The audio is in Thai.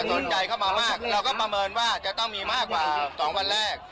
สนใจเข้ามามากเราก็ประเมินว่าจะต้องมีมากกว่า๒วันแรก